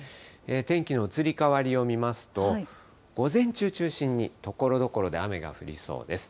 天気の移り変わりを見ますと、午前中中心にところどころで雨が降りそうです。